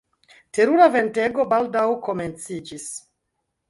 Terura ventego baldaŭ komenciĝis.